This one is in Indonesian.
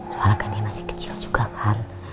soalnya kan dia masih kecil juga kan